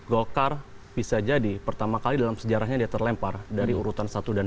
golkar bisa jadi pertama kali dalam sejarahnya dia terlempar dari urutan satu dan dua